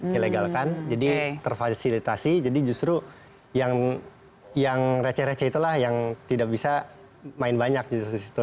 dilegalkan jadi terfasilitasi jadi justru yang receh receh itulah yang tidak bisa main banyak di situ